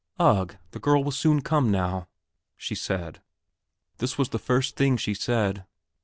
"Ugh, the girl will soon come now!" she said; this was the first thing she said.